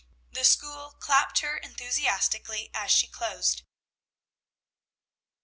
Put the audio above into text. The school clapped her enthusiastically as she closed.